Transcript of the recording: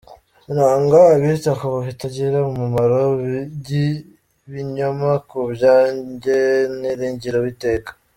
Nanga abita ku bitagira umumaro by’ibinyoma, Ku bwanjye niringira Uwiteka.